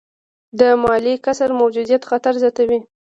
د مالي کسر موجودیت خطر زیاتوي.